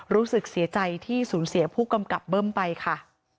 รู้สึกเสียใจที่สูญเสียผู้กำกับเบิ้มไปค่ะ